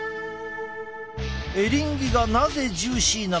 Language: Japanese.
エリンギがなぜジューシーなのか。